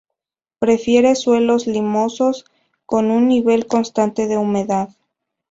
Prefiere suelos limosos con un nivel constante de humedad.